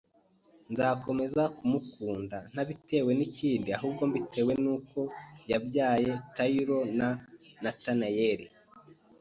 Nzakomeza kumukunda, ntabitewe n’ikindi ahubwo mbitewe n’uko yabyaye Taylor na Nathaniel